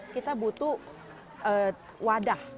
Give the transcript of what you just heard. kita butuh wadah